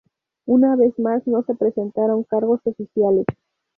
Una vez más, no se presentaron cargos oficiales.